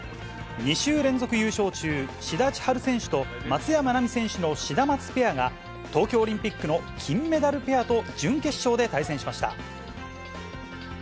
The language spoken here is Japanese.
２週連続優勝中、志田千陽選手と松山奈未選手のシダマツペアが、東京オリンピックの金メダルペアと準決勝で対戦しました。